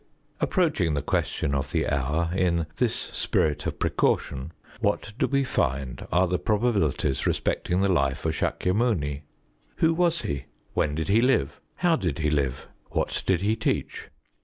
Approaching the question of the hour in this spirit of precaution, what do we find are the probabilities respecting the life of S─ükya Muni? Who was he? When did he live? How did he live? What did he teach?